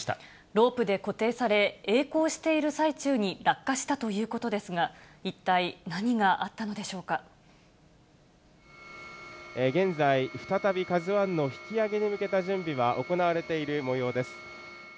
ロープで固定され、えい航している最中に落下したということですが、一体、何があっ現在、再びＫＡＺＵＩの引き揚げに向けた準備が行われているもようです。